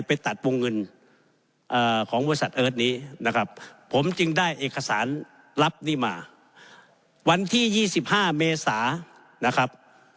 ไปตัดวงเงินของบ